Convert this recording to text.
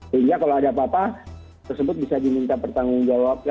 sehingga kalau ada apa apa tersebut bisa diminta pertanggung jawab